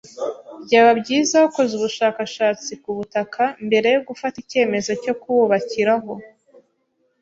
Byaba byiza wakoze ubushakashatsi ku butaka mbere yo gufata icyemezo cyo kububakiraho.